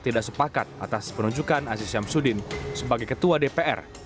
tidak sepakat atas penunjukan aziz syamsuddin sebagai ketua dpr